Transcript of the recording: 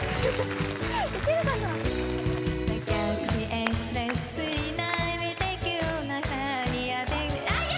いけるかな？